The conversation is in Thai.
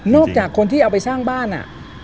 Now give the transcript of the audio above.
จากคนที่เอาไปสร้างบ้านอ่ะ